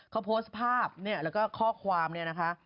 เขาโพสต์ภาพเนี่ยแล้วก็ข้อความเนี่ยนะคะ